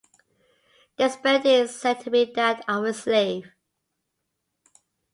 The spirit is said to be that of a slave.